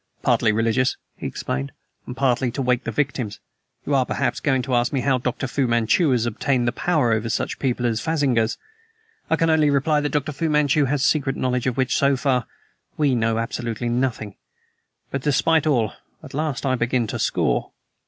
"Partly religious," he explained, "and partly to wake the victims! You are perhaps going to ask me how Dr. Fu Manchu has obtained power over such people as phansigars? I can only reply that Dr. Fu Manchu has secret knowledge of which, so far, we know absolutely nothing; but, despite all, at last I begin to score."